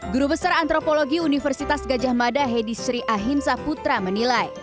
guru besar antropologi universitas gajah mada hedi sri ahim saputra menilai